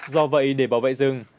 do vậy để bảo vệ rừng